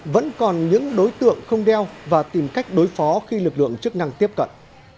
vẫn còn những đối tượng không đeo và tìm cách đối phó khi lực lượng chức năng tiếp cận